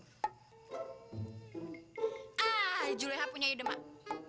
ah juleha punya ide pak